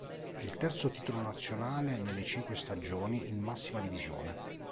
È il terzo titolo nazionale nelle cinque stagioni in massima divisione.